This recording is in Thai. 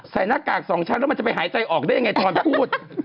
หน้ากากสองชั้นแล้วมันจะไปหายใจออกได้ยังไงตอนพูด